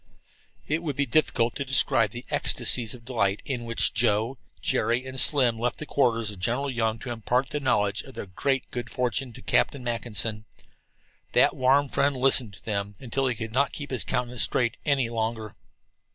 It would be difficult to describe the ecstacies of delight in which Joe, Jerry and Slim left the quarters of General Young to impart the knowledge of their great good fortune to Captain Mackinson. That warm friend listened to them until he could not keep his countenance straight any longer.